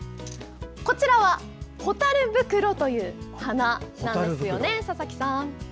こちらはホタルブクロという花なんですよね、佐々木さん。